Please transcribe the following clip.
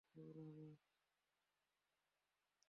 নদীর পানি নেমে যাওয়ার সঙ্গে সঙ্গে অসমাপ্ত কাজ শুরু করা হবে।